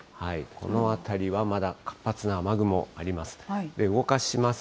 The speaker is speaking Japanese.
この辺りはまだ活発な雨雲あります。